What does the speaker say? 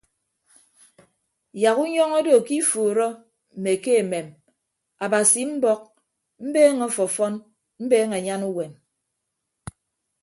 Yak unyọñọ odo ke ifuuro mme ke emem abasi mbọk mbeeñe ọfọfọn mbeeñe anyan uwem.